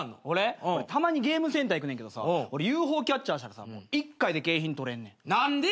俺たまにゲームセンター行くねんけどさ俺ＵＦＯキャッチャーしたらさ１回で景品取れんねん。